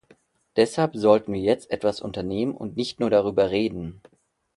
Deshalb sollten wir jetzt etwas unternehmen und nicht nur darüber reden.